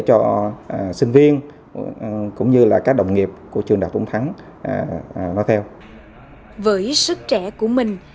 cho sinh viên cũng như là các đồng nghiệp của trường đại học tôn thắng nói theo với sức trẻ của mình